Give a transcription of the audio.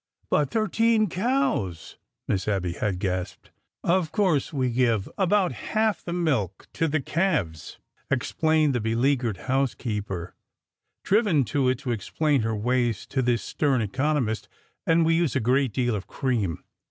" But thirteen cows !" Miss Abby had gasped. I should think —" Of course we give about half the milk to the calves," explained the beleaguered housekeeper, driven to it to explain her ways to this stern economist ; and we use a great deal of cream."